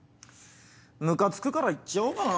ムカつくから言っちゃおうかな。